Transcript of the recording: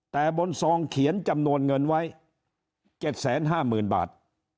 แต่บนซองเขียนจำนวนเงินไว้๗๕๐๐๐บาท